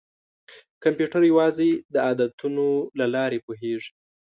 کمپیوټر یوازې د عددونو له لارې پوهېږي.